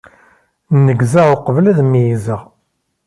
Neggzeɣ uqbel ad meyyzeɣ.